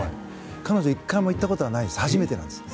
彼女は１回も行ったことがなくて初めてなんです。